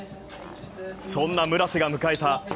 そんな村瀬が迎えた